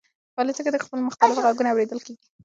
په الوتکه کې د خلکو مختلف غږونه اورېدل کېدل.